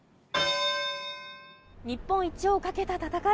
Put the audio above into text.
日本一をかけた戦い。